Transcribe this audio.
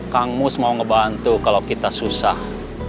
kang mus mau ngebantu kalau kita susah